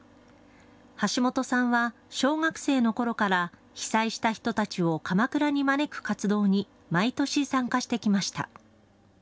橋本さんは小学生のころから被災した人たちを鎌倉に招く活動に毎年、参加してきました。